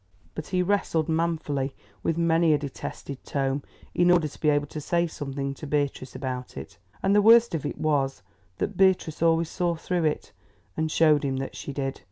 But he wrestled manfully with many a detested tome, in order to be able to say something to Beatrice about it, and the worst of it was that Beatrice always saw through it, and showed him that she did.